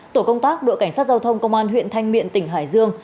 tổ công tác đội cảnh sát giao thông công an huyện thanh miện tỉnh hải dương